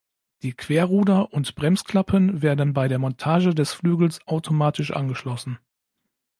Die Querruder und Bremsklappen werden bei der Montage des Flügels automatisch angeschlossen.